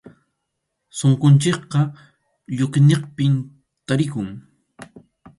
Sunqunchikqa lluqʼiniqpim tarikun.